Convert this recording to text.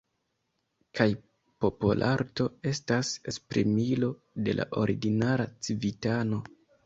Kaj popolarto estas esprimilo de la ordinara civitano.